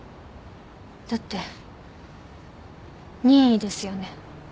だって任意ですよね。